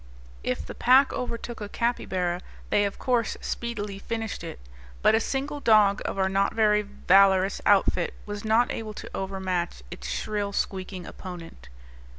If the pack overtook a capybara, they of course speedily finished it; but a single dog of our not very valorous outfit was not able to overmatch its shrill squeaking opponent.